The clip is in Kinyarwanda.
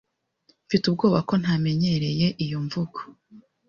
Mfite ubwoba ko ntamenyereye iyo mvugo.